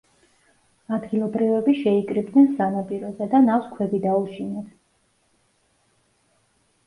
ადგილობრივები შეიკრიბნენ სანაპიროზე და ნავს ქვები დაუშინეს.